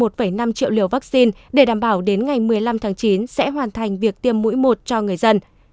một năm triệu liều vaccine để đảm bảo đến ngày một mươi năm tháng chín sẽ hoàn thành việc tiêm mũi một cho người dân